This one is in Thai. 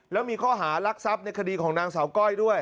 แล้วมีข้อหารักทรัพย์ในคดีของนางสาวก้อยด้วย